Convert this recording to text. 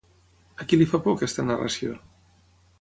A qui li fa por aquesta narració?